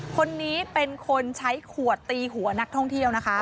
คนนี้เป็นคนใช้ขวดตีหัวนักท่องเที่ยวนะคะ